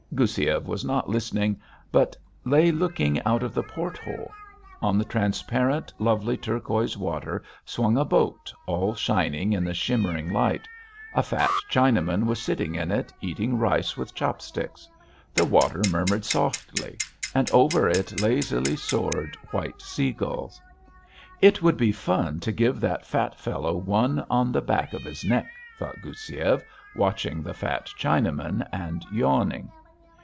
Goussiev was not listening, but lay looking out of the port hole; on the transparent lovely turquoise water swung a boat all shining in the shimmering light; a fat Chinaman was sitting in it eating rice with chop sticks. The water murmured softly, and over it lazily soared white sea gulls. "It would be fun to give that fat fellow one on the back of his neck...." thought Goussiev, watching the fat Chinaman and yawning.